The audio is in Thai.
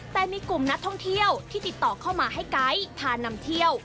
แต่มีกลุ่มนักท่องเที่ยวที่ติดต่อเข้ามาให้ไกด์พานำเที่ยว